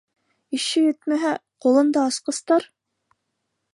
Ишшу етмәһә, ҡулында - асҡыстар.